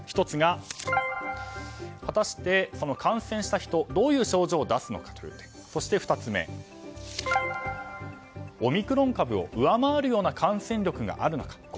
１つが果たして、感染した人がどういう症状を出すのかという点そして２つ目はオミクロン株を上回るような感染力があるのか。